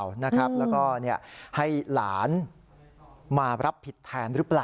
แล้วก็ให้หลานมารับผิดแทนหรือเปล่า